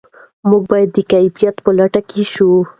موږ باید د کیفیت په لټه کې شو.